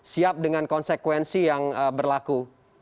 siap dengan konsekuensi yang berlaku